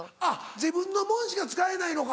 自分のものしか使えないのか。